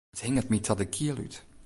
It hinget my ta de kiel út.